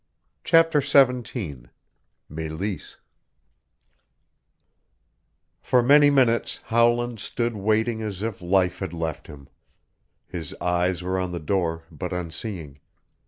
CHAPTER XVII MELEESE For many minutes Howland stood waiting as if life had left him. His eyes were on the door, but unseeing.